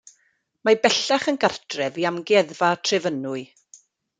Mae bellach yn gartref i Amgueddfa Trefynwy.